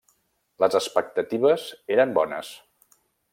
Les expectatives eren bones.